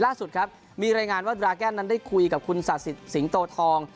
ล่าสุดครับมีรายงานว่าดราแกนนั้นได้คุยกับคุณศักดิ์สิทธิ์สิงโตทอง